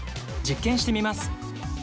実験してみます。